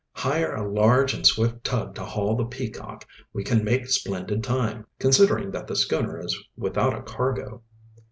"Hire a large and swift tug to haul the Peacock. We can make splendid time, considering that the schooner is without a cargo."